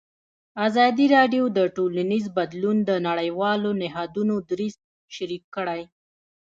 ازادي راډیو د ټولنیز بدلون د نړیوالو نهادونو دریځ شریک کړی.